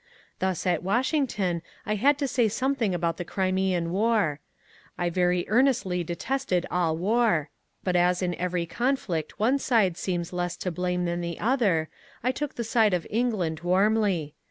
Thus at Washington I had to say something about the Crimean War. I very earnestly detested all war, but as in every conflict one side seems less to blame than the other, I took the side of England warmly.